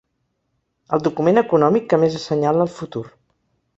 El document econòmic que més assenyala el futur.